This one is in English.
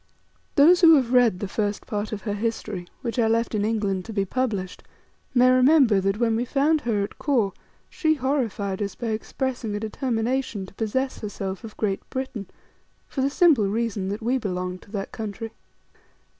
Those who have read the first part of her history, which I left in England to be published, may remember that when we found her at Kôr, She horrified us by expressing a determination to possess herself of Great Britain, for the simple reason that we belonged to that country.